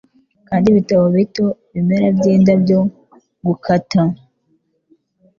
Kandi ibitabo bito; ibimera by'indabyo, gukata